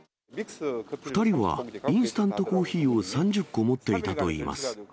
２人はインスタントコーヒーを３０個持っていたといいます。